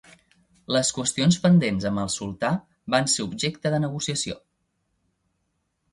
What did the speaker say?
Les qüestions pendents amb el sultà van ser objecte de negociació.